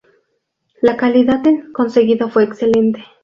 La calidad conseguida fue excelente.